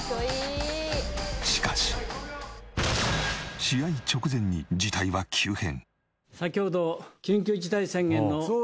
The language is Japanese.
しかし。試合直前に事態は急変。